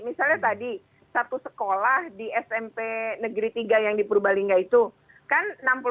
misalnya tadi satu sekolah di smp negeri tiga yang di purbalingga itu kan enam puluh enam